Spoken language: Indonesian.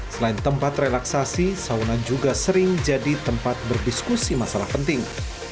selain tempat relaksasi sauna juga sering jadi tempat berdiskusi masalah penting